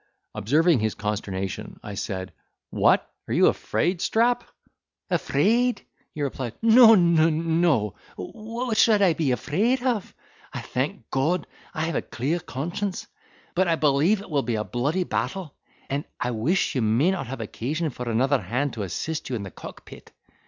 Observing his consternation, I said, "What! are you afraid, Strap." "Afraid! (he replied); n n no; what should I be afraid of? I thank God I have a clear conscience; but I believe it will be a bloody battle, and I wish you may not have occasion for another hand to assist you in the cockpit."